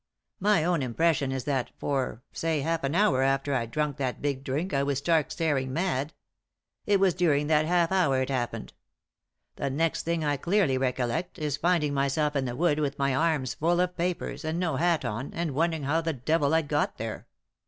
My own impression is that for, say, half an hour after I'd drunk that big drink I was stark staring mad ; it was during that half hour it happened. 246 3i 9 iii^d by Google THE INTERRUPTED KISS The next thing I clearly recollect is finding myself in the wood with my arms full of papers, and no hat on, and wondering how the devil I'd got there.